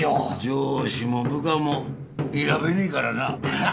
上司も部下も選べねえからな。